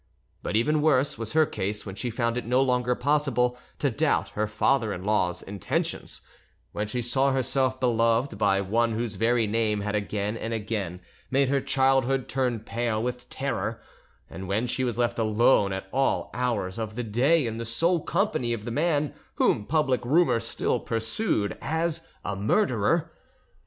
But even worse was her case when she found it no longer possible to doubt her father in law's intentions; when she saw herself beloved by one whose very name had again and again made her childhood turn pale with terror, and when she was left alone at all hours of the day in the sole company of the man whom public rumour still pursued as a murderer.